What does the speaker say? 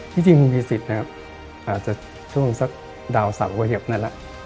ที่จริงมีสิทธิ์นะครับอาจจะช่วงซักดาวสำวเหยบนั้นละ